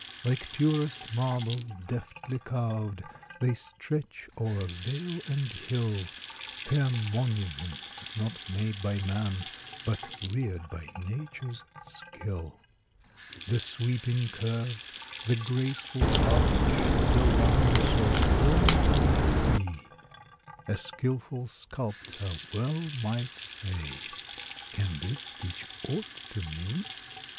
Like purest marble, deftly carv'd, They stretch o'er vale and hill, Fair monuments, not made by man, But rear'd by nature's skill. The sweeping curve, the graceful arch, The line so firm and free; A skilful sculptor well might say: "Can this teach aught to me?"